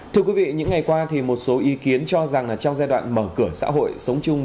thưa quý vị những ngày qua thì một số ý kiến cho rằng trong giai đoạn mở cửa xã hội sống chung